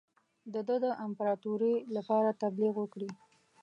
د ده د امپراطوری لپاره تبلیغ وکړي.